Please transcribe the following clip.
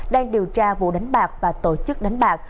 đang điều tra vụ đánh bạc và tổ chức đánh bạc